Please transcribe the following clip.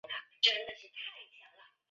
本条目也主要讲述普通国道。